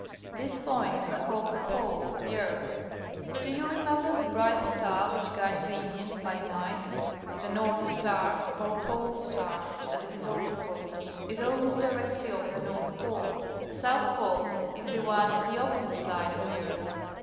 These points are called tlie Poles of the earth. Do you remember the bright star w'hich guides the Indians by night? The North Star, or Pole Star, as it is also called, is always directly over the North Pole. The South Pole is the one at the opposite side of the earth.